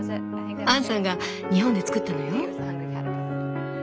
アンさんが日本で作ったのよ。